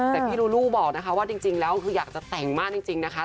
แต่พี่ลูลูบอกนะคะว่าจริงแล้วคืออยากจะแต่งมากจริงนะคะ